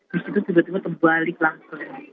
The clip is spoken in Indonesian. terus itu tiba tiba terbalik langsung